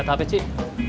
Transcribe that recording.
kata hp cik